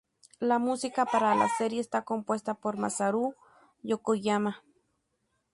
La música para la serie está compuesta por Masaru Yokoyama.